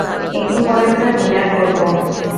একটু পরেই তো ডিনার করবো।